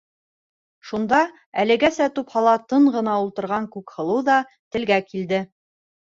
Шунда әлегесә тупһала тын ғына ултырған Күкһылыу ҙа телгә килде: